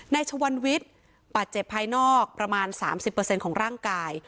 ชวันวิทย์บาดเจ็บภายนอกประมาณ๓๐ของร่างกาย